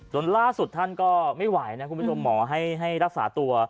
ล่าสุดท่านก็ไม่ไหวนะคุณผู้ชมหมอให้รักษาตัว